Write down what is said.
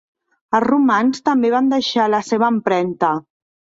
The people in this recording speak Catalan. Els romans també van deixar la seva empremta.